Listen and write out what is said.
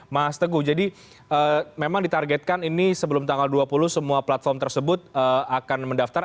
mas teguh jadi memang ditargetkan ini sebelum tanggal dua puluh semua platform tersebut akan mendaftar